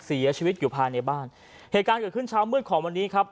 เสียชีวิตอยู่ภายในบ้านเหตุการณ์เกิดขึ้นเช้ามืดของวันนี้ครับ